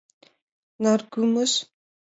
— Наргӱмыж.